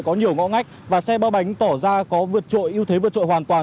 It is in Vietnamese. có nhiều ngõ ngách và xe ba bánh tỏ ra có vượt trội ưu thế vượt trội hoàn toàn